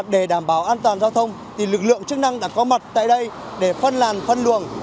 để đảm bảo an toàn giao thông lực lượng chức năng đã có mặt tại đây để phân làn phân luồng